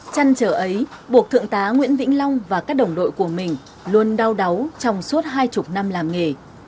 chăn trở ấy buộc thượng tá nguyễn vĩnh long và các đồng đội của mình luôn đau đáu trong suốt hai mươi năm làm nghề